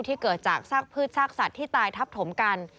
เกิดจากซากพืชซากสัตว์ที่ตายทับถมกัน